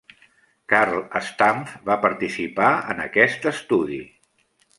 Carl Stumpf va participar en aquest estudi.